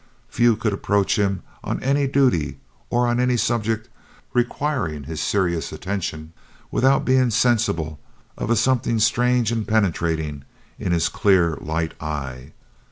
Few could approach him on any duty, or, on any subject requiring his serious attention, without being sensible of a something strange and penetrating in his clear light eye.